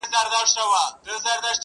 هغه ورځ په واک کي زما زړه نه وي ـ